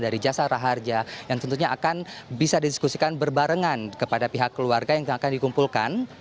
dari jasara harja yang tentunya akan bisa didiskusikan berbarengan kepada pihak keluarga yang akan dikumpulkan